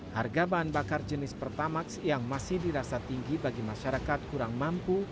harga bahan bakar jenis pertamax yang masih dirasa tinggi bagi masyarakat kurang mampu